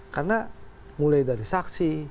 karena mulai dari saksi